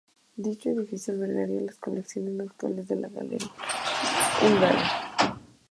Dicho edificio albergaría las colecciones actuales de la Galería Nacional Húngara.